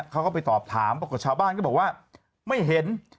เขาก็ไปตอบถามปรากฏชาวบ้านก็บอกว่าไม่เห็น